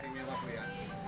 ini apa pria